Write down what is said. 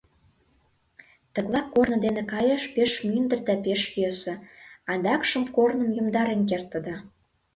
Тыглай корно дене каяш пеш мӱндыр да пеш йӧсӧ, адакшым корным йомдарен кертыда.